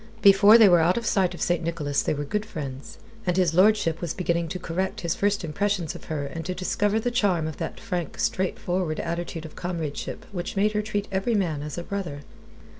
Before they were out of sight of St. Nicholas they were good friends, and his lordship was beginning to correct his first impressions of her and to discover the charm of that frank, straightforward attitude of comradeship which made her treat every man as a brother.